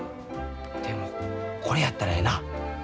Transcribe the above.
でもこれやったらええな。